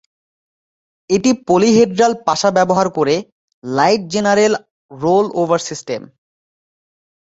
এটি পলিহেড্রাল পাশা ব্যবহার করে লাইট জেনারেল রোল-ওভার সিস্টেম।